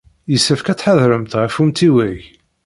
Yessefk ad tḥadremt ɣef umtiweg.